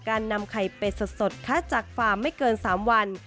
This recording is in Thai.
นำไข่เป็ดสดคัดจากฟาร์มไม่เกิน๓วัน